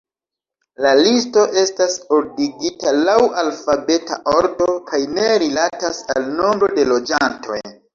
La listo estas ordigita laŭ alfabeta ordo kaj ne rilatas al nombro de loĝantoj.